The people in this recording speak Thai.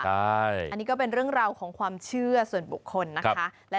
อันนี้ก็เป็นเรื่องราวของความเชื่อส่วนบุคคลนะคะ